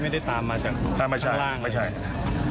ไม่ได้ตามมาจากข้างล่าง